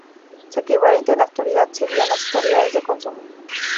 Su equivalente en la actualidad serían las autoridades de consumo.